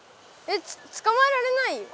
えっつつかまえられない。